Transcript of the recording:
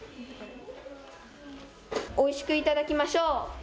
おいしく頂きましょう。